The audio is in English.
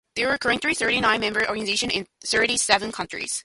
There are currently thirty-nine member organizations in thirty-seven countries.